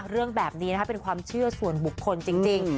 เรื่องแบบนี้นะคะเป็นความเชื่อส่วนบุคคลจริง